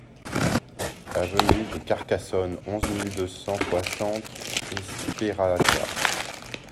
Avenue de Carcassonne, onze mille deux cent soixante Espéraza